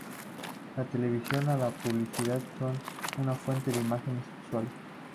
La televisión o la publicidad son una fuente de imágenes sexuales.